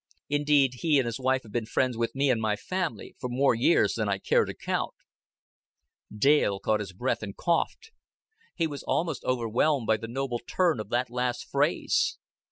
Indeed, he and his wife have been friends with me and my family for more years than I care to count." Dale caught his breath and coughed. He was almost overwhelmed by the noble turn of that last phrase.